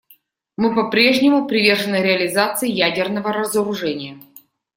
Мы по-прежнему привержены реализации ядерного разоружения.